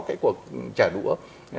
cái cuộc trả đũa